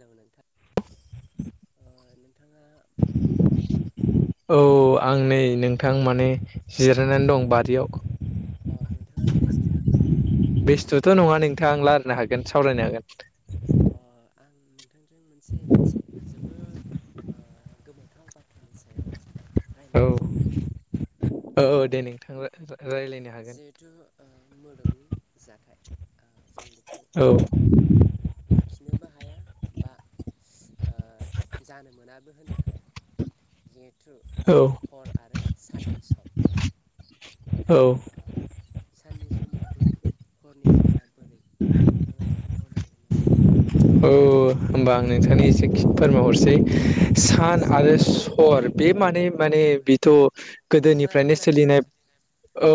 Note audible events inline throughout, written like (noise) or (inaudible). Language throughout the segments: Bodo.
लोगो नोंथां नोंथाङा बहाबा दं नामा। औ आं नै नोंथां माने जिरायनानै दं बारियाव अ नोंथाङा बेस्थ' नामा बेस्थथ' नङा नोंथां रायलायनो हागोन सावरायनो हागोन बिथांजों मोनसे माने जोबोद गोमोथाव बाथ्रानि सायाव औ रायलायनो सानदों औ औ खोनादों दे नोंथां रायलायनो हागोन जिहेथु ओ मुलुगनि जाथाय ओ जों बेखौ औ ओ लाखिनोबो हाया। बा जानो मोनाबो होननो हाया। थ्रु औ हर आरो साननि सम औ ओ साननि समा बोरै हरनि समा बोरै नोंथाङा खोन्थाहरनो हागोन नामा औ होमबा आं नोंथांनो एसे फोरमायहरसै सान आरो सर बे मानै माने बेथ' नोंथाङा गोदोनिफ्रायनो खोनादों सोलिनाय नोंथां औ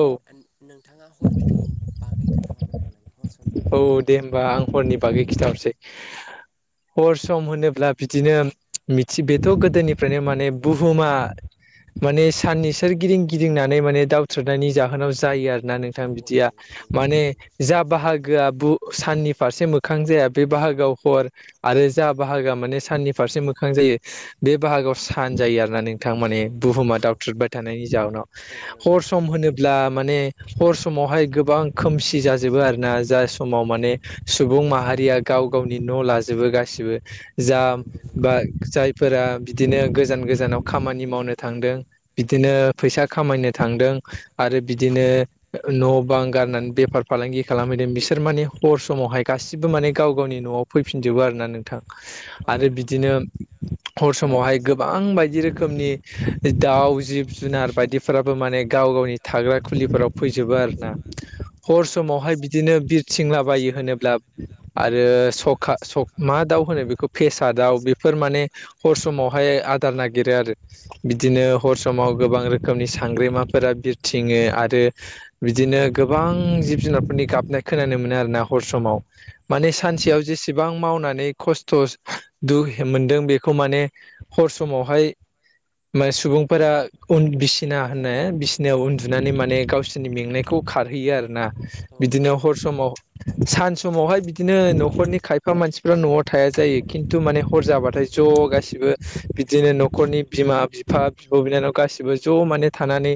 नोंथाङा हरनि बागै खोन्थााहरनो हागोन नामा हर समनि औ बागै दे होमबा आं हरनि बागै खिथाहरसै। (inaudible) हर सम होनोब्ला बिदिनो मिथि बेथ' गोदोनिफ्रायनो माने बुहुमा माने साननि सोरगिदिं गिदिंनानै माने दावथ्रोदनायनि जाहोनाव जायो आरो ना नोंथां औ औ बिदिया। नंगौ नंगौ माने नंगौ जा बाहागोआ बु साननि फारसे मोखां जाया बे बाहागोआव हर आरो जा बाहागोआ माने साननि फारसे मोखां जायो बे बाहागोआव सान जायो आ रोना नोंथां। औ माने औ नंगौ बुहुमा नंगौ दावथ्रोदबाय थानायनि जाहोनाव। औ नंगौ हर सम होनोब्ला माने हर समावहाय गोबां खोमसि जाजोबो आरो ना जा समाव माने सुबुं माहारिया गाव गावनि न' लाजोबो गासिबो। औ जाम नंगौ नंगौ बा जाय फोरा बिदिनो गोजान गोजानाव खामानि मावनो थांदों, बिदिनो फैसा खामायनो थांदों, आरो बिदिनो न' बां गारनानै बेफार फालांगि खालामहैदों बिसोर मान हर सम मावहाय गासिबो माने गाव गावनि न'आव फैफिनजोबो आरोना नोंथां। औ आरो नंगौ बिदिनो हर समावहाय गोबां बायदि रोखोमनि दाउ, जिब, जुनार बायदिफोराबो माने गाव गावनि थाग्रा खुलिफोराव फैजोबो आरोना। हर औ नंगौ समावहाय बिदिनो बिरथिंलाबायो होनोब्ला आरो सखा सख मा दाउ होनो बेखौ फेसा दाउ बेफोर माने हर समावहाय आदार नागिरो आरो बिदिनो हर समाव गोबां रोखोमनि सांग्रेमाफोरा बिरथिङो आरो बिदिनो गोबां जिब जुनारफोरनि गाबनाय खोनानो मोनो आरोना हर समाव। औ माने नंगौ सानसेयाव जेसेबां मावनानै खस्थ' दु मोनदों बेखौ माने हर समावहाय माने सुबुंफोरा उन बिसिना होनो बिसिनायाव उन्दुनानै माने गावसिनि मेंनायखौ खारहोयो आरोना। औ बिदिनो नंगौ हर नंगौ समाव सान समावहाय बिदिनो नख'रनि खायफा मानसिफ्रा न'आव थाया जायो। खिन्थु माने हर जाबाथाय ज' गासिबो बिदिनो नख'रनि बिमा बिफा बिब' बिनानाव गासिबो ज' माने थानानै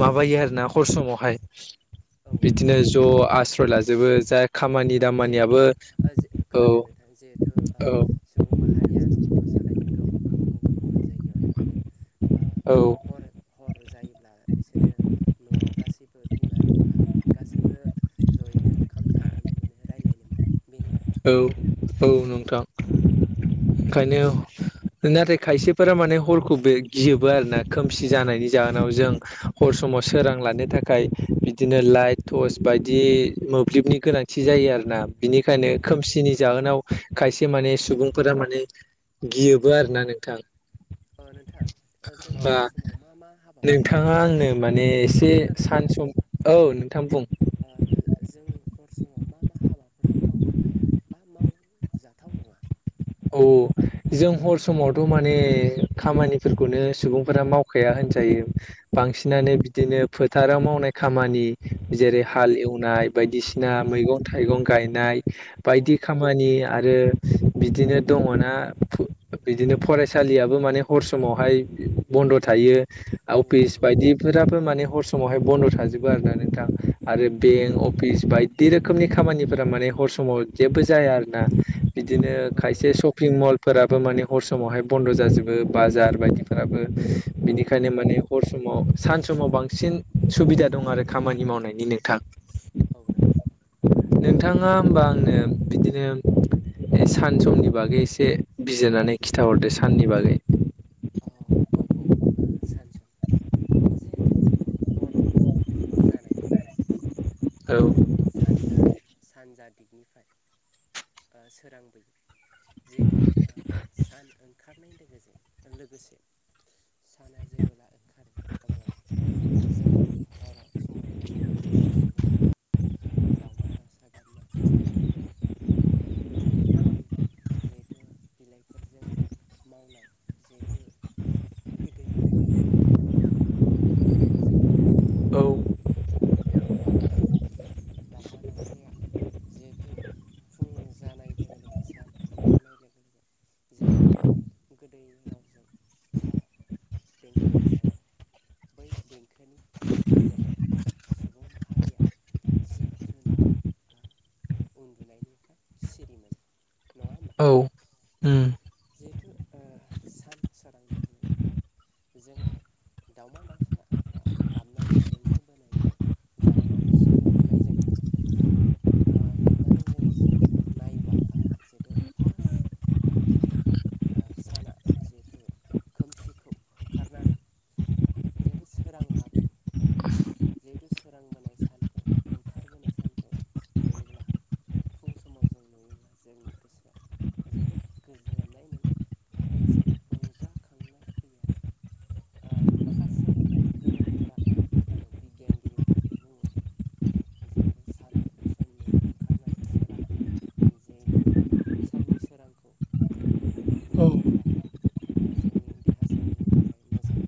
माबायो आरोना खर समावहाय। औ नंगौ बिदिनो ज' आस्रय लाजोबो जा खामानि दामानिया तु ओ ज खोनादों नोंथां। जिहेथु औ सुबुं माहारिया न'खरखौ सालाय (unintelligible) गुबुन गुबुन जायगायाव थाङो। ओ औ। हर हर जायोब्ला बिसोरो न'आव गासैबो बिमा बिफा गासैबो ज'यैनो ओंखाम जालायनो मोनो रायलायनो मोनो बेनो औ औ नोंथां। ओंखायनो नाथाय खायसेफोरा माने हरखौबो गियोबो आरोना खोमसि जानायनि जाहोनाव जों हर समाव सोरां लानो थाखाय, बिदिनो लाइट थस बायदि मोब्लिबनि गोनांथि जायो आरोना। औ बिनिखायनो नंगौ खोमसिनि जाहोनाव खायसे माने सु सुबुंफोरा माने गियोबो आरोना नोंथां। (inaudible) अह नोंथां, जों बा हर समाव मा मा हाबाफोरखौ नोंथाङा मावनो हाया? आंनो माने एसे खोनादों सान नोंथां? सम औ नोंथां बुं। आ ओ ओ जों हर समाव मा मा हाबाफोरखौ मावनो हाया बा मावजाथाव नङा? औ (inaudible) जों हर समावथ' माने खामानिफोरखौनो सुबुंफोरा मावखाया होनजायो। औ बांसिनानो बिदिनो फोथाराव मावनाय खामानि औ जेरै हाल एवनाय औ बायदिसिना मैगं थाइगं गायनाय, औ बायदि औ खामानि आरो बि दिनो दङना, बिदिनो फरायसालियाबो माने हर समावहाय बन्द' थायो। औ औ अफिस नंगौ बायदिफोराबो माने हर समावहाय बन्द' थाजोबो आरोना नोंथां। आरो औ बेंक, अफिस बाय दि रोखोमनि खामानिफोरा माने हर समाव जेबो जाया आरोना। बिदिनो औ खायसे सपिं मलफोराबो माने हर समावहाय बन्द' जाजोबो, बाजार बायदिफोराबो। औ बिनिखायनो नंगौ माने नंगौ हर समाव सानस - - समाव बांसिन सुबिदा दं आरो खामानि मावनायनि नोंथां। (inaudible) नोंथाङा होमबा आंनो बिदिनो सान समनि बागै एसे बिजिरनानै खिन्थाहरदो साननि बागै (inaudible) जिहेथु हर जानायनि उनाव औ (inaudible) सानजा सानजा दिगनिफ्राय (inaudible) ओ सोरांबोयो जिहेथु ओ सान। ओंखारनाय लोगोजों ओ लोगोसे। साना जेबोला ओंखारो अबोला। जों हराव समाव उन्दुबाय थानाय सुबुंफोरा दावमा दाउसा गाब। (inaudible) बिफां लाइफांनि जिहेथु बिलाइफोरजों। मावनाय जिहेथु गोदै देंखो। बोयो जिहेथु बिफां औ लाइफांनि बिलाइफोरा मावनानै। दावमा-दाउसाया जिहेथु। फुं जानाय लोगो लोगो सान ओंखारनाय लोगो लोगो जिहेथु। गोदै रावजों देंखो ओ रोजाबो। बै देंखोनि गेजेरजों। सुबुं माहारिया जिब-जुनारा बा उन्दुनायनि बा सिरिमोनो। औ। जिहेथु ओ सान सोरांनाय होनोब्ला जोङो दाउमा दाउसा ओ गाबनायनि देंखो बोनायनि जाहोनाव सिरि मोननायजों ओ मोननानै जोङो जिहेथु नायबा ओ जिहेथु फार्स्ट ओ गिबि ओ साना जिहेथु खोमसिखौ होखारनानै जिहेथु सोरां लाबोयो जिहेथु सोरांबोनाय सानखौ ओंखारबोनाय सानखौ नुयोब्ला फुं समाव जों नुयोला जोंनि गोसोआ जोबोद गोजोननाय मोनो। मोनसे रंजाखांनाय फैयो आरो ओ माखासे गोरों गोरा। ओ बिगियानगिरिफ्राबो बुङोदि जिहेतु सान समनि ओंखारनाय सोरां। जिहेथु साननि सोरांखौ बा मोदोमाव औ लायोबोला। ओ जोंनि देहा सोलायनि थाखाय मोजां।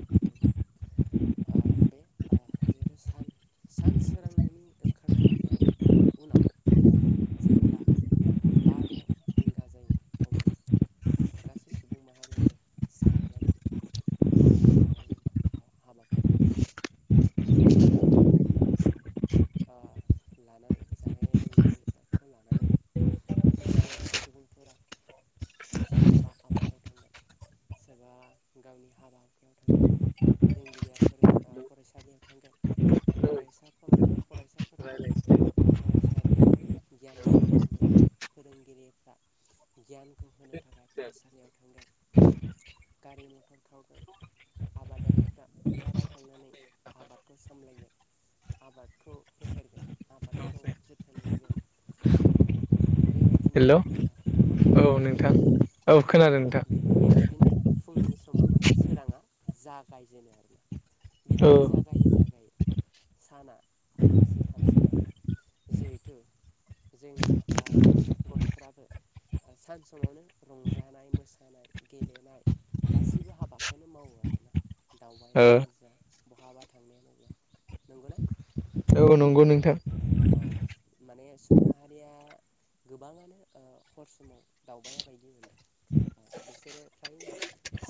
ओ बे ओ जिहेथु सान सान सोरांनायनि ओंखारनायनि जा ओ। ओ उनाव जेबोला बा द' रिंगा जायो अबोला। गासै सुबुं माहारियानो सिखारनानै। गाव गाबागावनि हाबाफारिखौ मावो। जानाय लोंनायनि ओ लानानै जानाय लोंनायनि आ खौ लानानै गेदेर सुबुंफोरा सोरबाबा आबादाव थांगोन सोरबाबा गावनि हाबा हुखायाव थांगोन। फोरोंगिरिया फोरों ओ फरायसालियाव थांगोन। फरायसाफोल फरायसाफोरा ओ फरायसालियाव। गियान लानो थाङो फोरोंगिरिफ्रा गियानखौ होनो थाखाय फरायसालियाव थांदों। गारि मटर थावग। आबादारिफ्रा फोथाराव थांनानै आबादखौ सामलायो। आबादखौ फेहेरगोन आबादखौ जोथोन लागोन। बेबायदिनो हेल' ओ औ खोनादों नोंथां। औ खोनादों नोंथां बे बेबायदिनो फुंनि समा माने सोराङा। जागायजेनो आरोना औ बिदिनो जागायो जागायो। साना हाबसै हाबसेयाव जिहेथु। जोंनि आ गथ'फ्राबो। सान समावनो रंजानाय मोसानाय गेलेनाय गासिबो हाबाखौनो मावो आरोना। दावबायनायानो जा बहाबा थांनायानो जा नंगौना? औ नंगौ नोंथां। औ माने सुबुं माहारिया गोबाङानो ओ हर समाव दावबाया बायदि मोनदों। ओ बिसोरो फ्रायनो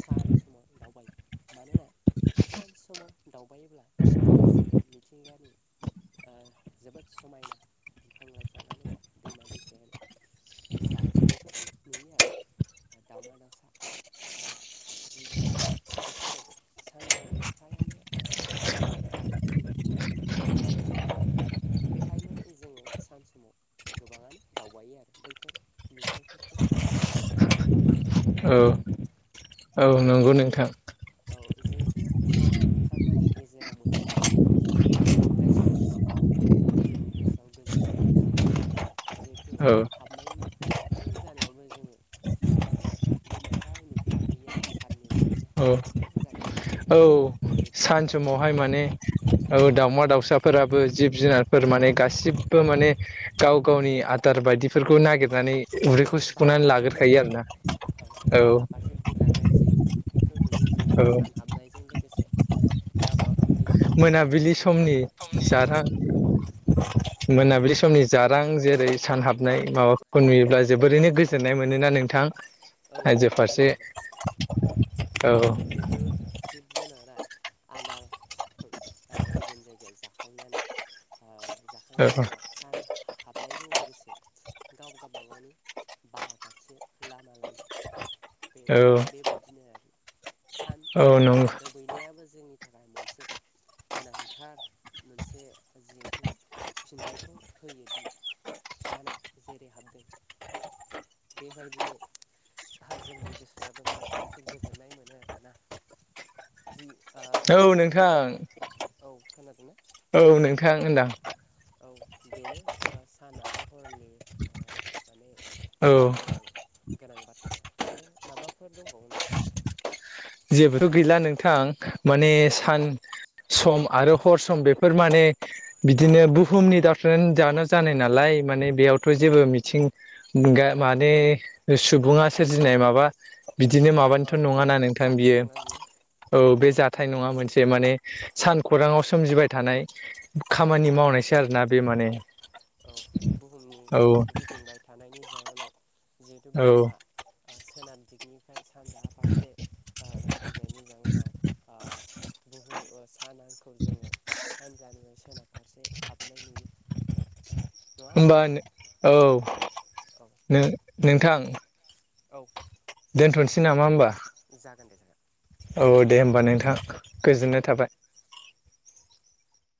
सान समाव दावबायो मानोना सान समाव दावबायोब्ला जोङो मिथिंगानि ओ जोबोद समायना बिफां लाइफाङानो जा दैमा दैसायानो जा बेफोरखौ नुयो आरो दावमा दाउसा ओ जिब जुनार बिसोरो सान समावनो फ्रायानो गावनि थाग्रा खुलिनिफ्राय बाहा फारसे उधार बेखायनो जोङो सान समाव गोबाङानो दावबायो आरो बैफोर नुथायफोरखौ नायनो थाखाय नंगौना औ औ नंगौ जिहेथु नोंथां। औ जिहेथु साना ओंखारनानै गेजेराव मोनफैनानै हाबनाय समसिम जोंनि गोसोआव गोजोननाय लाबोयो। जिहेथु औ हाबनाय हाबहां जानायावबो जोङो मोनसे गोमोथाव नुथायखौ नुयो आरो साननि जिहेथु औ हाबां जानाय सम। औ सान समावहाय माने औ दावमा दाउस साफोराबो जिब जुनारफोर माने गासिबो माने गाव गावनि आदार बायदिफोरखौ नागिरनानै उदैखौ बाहा सुफुंनानै फारसे लागोरखायो बिरलाङो आरोना औ औ। खौ नुयो जो सान हाबनायजों लोगोसे गाबा गा मोनाबिलि समनि जारां औ मोनाबिलि समनि जारां जेरै सान हाबनाय माबाखौ नुयोब्ला जोबोरैनो गोजोननाय मोनोना नोंथां? औ आइजो फारसे औ जिहेतु जिब जुनारा आदारखौ गुबुन जायगायाव जाखांनानै ओ जाखांनायनि औ उनाव सान हाबनायजों लोगोसे गाव गाबा गावनि बाहाफारसे लामा लायो बे औ बेबायदिनो आरो सान औ नं दोबैनायाबो जोंनि थाखाय मोनसे गोनांथार मोनसे जिहेथु फिननायखौ होयोदि साना जेरै हाबदों बेबायदिनो हा जोंनि गोसोआबो माने मोनसे गोजोननाय मोनो आरोना दि औ नोंथां खोनादोंना औ नोंथां होनदां औ बेनो सान आरो हरनि ओ माने औ गोनां गोनां बाथ्राया आरो माबाफोर दंबावो नामा? जेबोथ गैला नोंथां माने सान सम आरो हर सम बेफोर माने बिदिनो बुहुमनि (unintelligible) जानो जानाय नालाय माने बेयावथ जेबो मिथिं गा माने सुबुङा सोरजिनाय माबा बिदिनो ओ माबानोथ नङाना नोंथां जाथाय बियो नङा औ बे जाथाय नङा मोनसे माने सानखराङाव सोमजिबाय थानाय खामानि मावनायसै आरोना बे माने औ औ बुहुमनि गिदिंबाय थानायनि जाहोनाव जिहेथु औ बुहुमा सोनाब दिगनिफ्राय सानजाहा फारसे गिदिंनायनि जाउनाव ओ बुहु सानांखौ जोङो सानजानिफ्राय सोनाब फारसे हाबनाय नुयो। होमबा औ औ नो नोंथां औ दोनथनसै नामा होमबा जागोन दे जागोन औ दे होमबा नोंथां गोजोननाय थाबाय